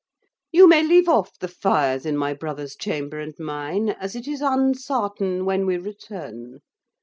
You may leave off the fires in my brother's chamber and mine, as it is unsartain when we return.